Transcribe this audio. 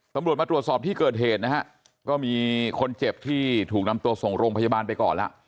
ตำรวจมาตรวจสอบที่เกิดเหตุนะฮะก็มีคนเจ็บที่ถูกนำตัวส่งโรงพยาบาลไปก่อนแล้ว